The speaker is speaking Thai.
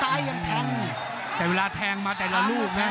ซ้ายอะไรมันจะแรงตะหลงรึเปล่านะอิยบรังไหว่